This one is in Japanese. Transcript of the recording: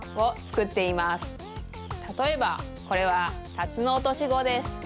たとえばこれはタツノオトシゴです。